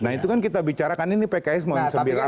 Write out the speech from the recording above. nah itu kan kita bicara kan ini pks mau sembilan apakah